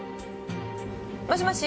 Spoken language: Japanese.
もしもし？